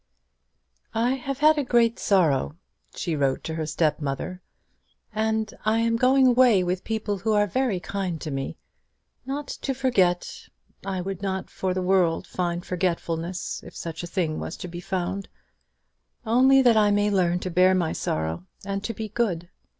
"I have had a great sorrow," she wrote to her step mother, "and I am going away with people who are very kind to me; not to forget I would not for the world find forgetfulness, if such a thing was to be found; only that I may learn to bear my sorrow and to be good.